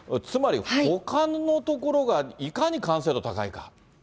つまりほかのところがいかに完成度高いか。